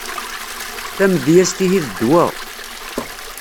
Tamedyazt ihi d ddwa.